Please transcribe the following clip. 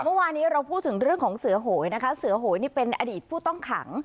เมื่อวานี้เราพูดถึงเรื่องของเสือโหยนะคะเสือโหยนี่เป็นอดีตผู้ต้องขัง